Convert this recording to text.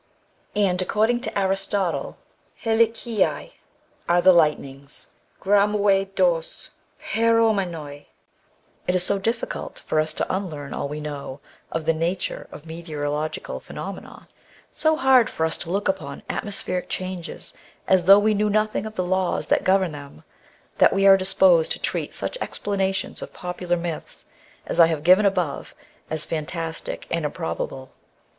And according to Aristotle, iXiKiai are thfe light nings, ypafijAOti^tjg (jtspojiBvoi, It is so difficult for us to unlearn all we know of the nature of meteorological phenomena, so hard for us to look upon atmospheric changes as though we knew nothing of the laws that govern them, that we are disposed to treat such explanations of popular myths as I have given above, as fantastic and improbable.